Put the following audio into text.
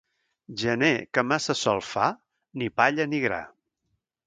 Gener que massa sol fa, ni palla ni gra.